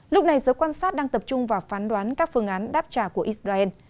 lúc này giới quan sát đang tập trung vào phán đoán các phương án đáp trả của israel